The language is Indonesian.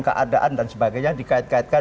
keadaan dan sebagainya dikait kaitkan